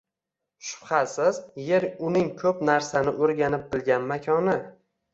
Shubhasiz, Yer uning ko‘p narsani o‘rganib bilgan makoni